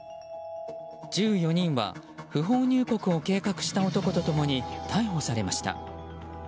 １４人は、不法入国を計画した男と共に逮捕されました。